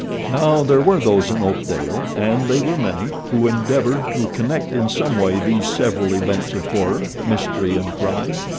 Now there were those in Oakdale, and they were many, who endeavored to connect in some way these several events of horror, mystery, and crime.